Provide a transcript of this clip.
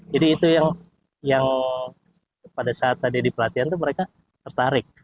jadi itu yang pada saat tadi di pelatihan mereka tertarik